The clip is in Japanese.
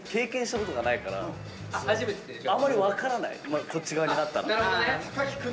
あんまり分からないこっち側になったら。